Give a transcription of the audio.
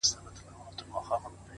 • نه به واخلي تر قیامته عبرتونه ,